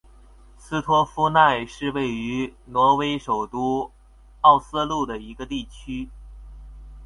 斯托夫奈是位于挪威首都奥斯陆的一个地区。